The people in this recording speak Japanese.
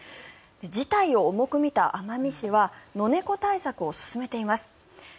事態を重く見た奄美市はノネコ対策を進めています。